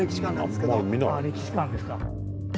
ああ歴史館ですか。